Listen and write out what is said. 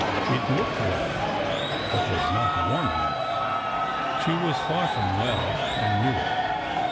it looked well, but was not warm enough. She was far from well, and knew it. Mrs.